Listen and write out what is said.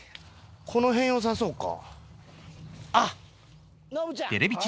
この辺良さそうか？